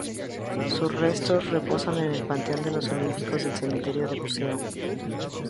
Sus restos reposan en el Panteón de los Olímpicos del Cementerio del Buceo.